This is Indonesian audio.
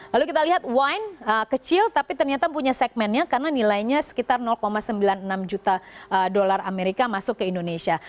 lalu kita lihat wine kecil tapi ternyata punya segmennya karena nilainya sekitar sembilan puluh enam juta dolar amerika masuk ke indonesia